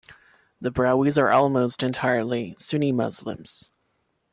The Brahuis are almost entirely Sunni Muslims.